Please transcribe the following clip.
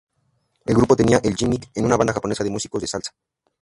El grupo tenía el gimmick de una banda japonesa de músicos de salsa.